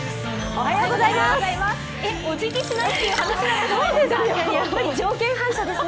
おはようございます。